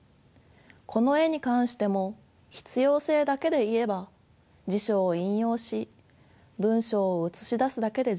この絵に関しても必要性だけで言えば辞書を引用し文章を映し出すだけで十分でした。